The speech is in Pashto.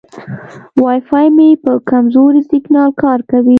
وای فای مې په کمزوري سیګنال کار کوي.